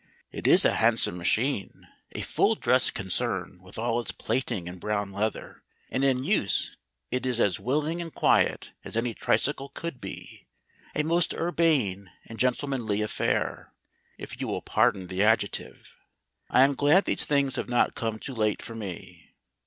"It is a handsome machine, a full dress concern with all its plating and brown leather, and in use it is as willing and quiet as any tricycle could be, a most urbane and gentlemanly affair if you will pardon the adjective. I am glad these things have not come too late for me.